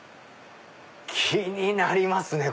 気になりますね！